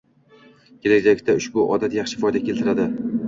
kelajakda ushbu odat yaxshi foyda keltiradi.